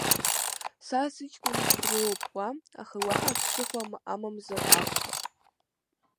Са сыҷкәынгьы дрылоуп уа, аха уаҳа ԥсыхәа амамзар акәхап.